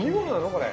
これ。